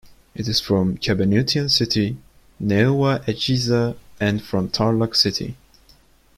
It is from Cabanatuan City, Nueva Ecija and from Tarlac City.